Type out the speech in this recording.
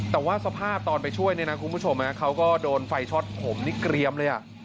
แต่ว่าสภาพตอนไปช่วยเนี่ยนะคุณผู้ชมเขาก็โดนไฟช็อตผมนี่เกรียมเลย